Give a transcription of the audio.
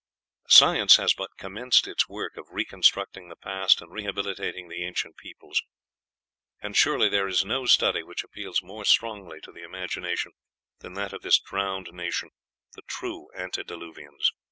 Science has but commenced its work of reconstructing the past and rehabilitating the ancient peoples, and surely there is no study which appeals more strongly to the imagination than that of this drowned nation, the true antediluvians.